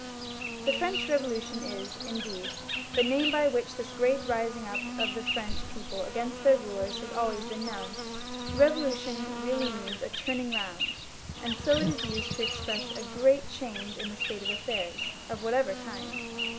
The French Eevolution is indeed the name by which this great rising up of the French people against their rulers has always been known* Bevolution really means a turning round, a^d so it is used to express any great n XLVii.] LOUIS XVI, 385 change in the state of affairs, of whatever kind.